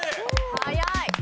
早い！